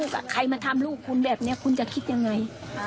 คุณจะคิดอย่างไร